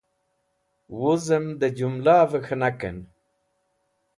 Wuzẽm dẽ jumlavẽ k̃hẽnakẽn.